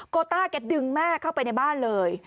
ต้าแกดึงแม่เข้าไปในบ้านเลย